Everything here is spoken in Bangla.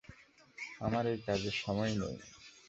আমার এই কাজের সময় নেই।